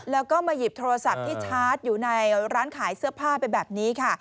แล้วก็มาหยิบโทรศัพท์ที่ชาร์จอยู่ในร้านขายเสื้อผ้าไปแบบนี้ค่ะ